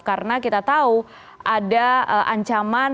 karena kita tahu ada ancaman